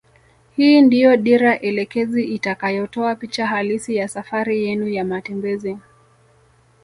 Hii ndio dira elekezi itakayotoa picha halisi ya safari yenu ya matembezi